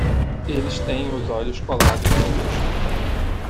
Eles têm os olhos colados no rosto.